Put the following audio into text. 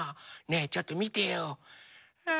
ねえちょっとみてよ！え？